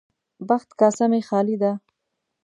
بخت کاسه مې خالي ده.